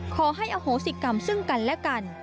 ขอให้อโหสิกรรมซึ่งกันและกัน